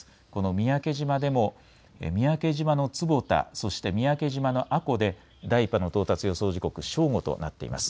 三宅島でも三宅島の坪田、そして三宅島の阿古で第１波の到達予想時刻、正午となっています。